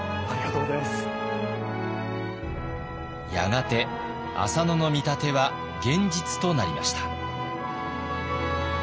やがて浅野の見立ては現実となりました。